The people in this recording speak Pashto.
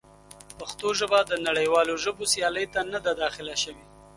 پښتو ژبه د نړیوالو ژبو سیالۍ ته نه ده داخله شوې.